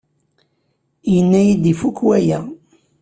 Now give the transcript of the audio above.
Tenna-iyi-d ifuk waya.